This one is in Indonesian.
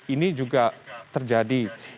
ini juga terjadi